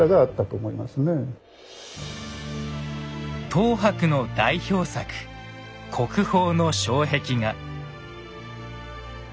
等伯の代表作国宝の障壁画。